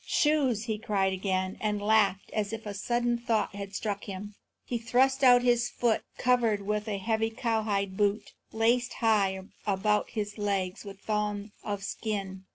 "Shoes?" he cried again, and laughed as if a sudden thought had struck him. He thrust out his foot, covered with a heavy cowhide boot, laced high about his leg with thongs of skin.